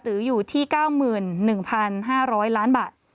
อยู่ที่๙๑๕๐๐ล้านบาท